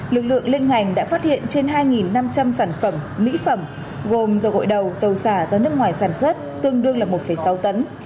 lực lượng liên ngành đã phát hiện trên hai năm trăm linh sản phẩm mỹ phẩm gồm dầu gội đầu dầu giả do nước ngoài sản xuất tương đương là một sáu tấn